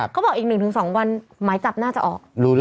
เขาบอกอีก๑๒วันหมายจับน่าจะออก